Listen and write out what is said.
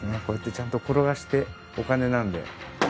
こうやってちゃんと転がしてお金なんで。